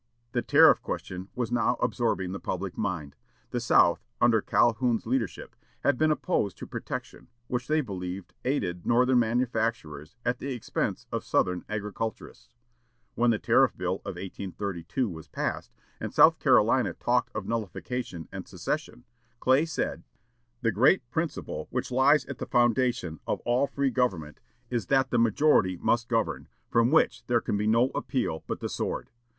The tariff question was now absorbing the public mind. The South, under Calhoun's leadership, had been opposed to protection, which they believed aided northern manufacturers at the expense of southern agriculturists. When the tariff bill of 1832 was passed, and South Carolina talked of nullification and secession, Clay said: "The great principle which lies at the foundation of all free government is that the majority must govern, from which there can be no appeal but the sword.